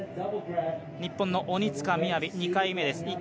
日本の鬼塚雅、２回目です。